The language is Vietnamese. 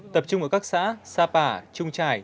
tập trung ở các xã sapa trung trải